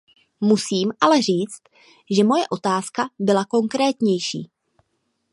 Musím ale říct, že moje otázka byla konkrétnější.